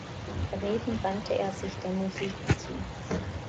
Daneben wandte sie sich der Musik zu.